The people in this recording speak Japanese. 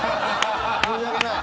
申し訳ない。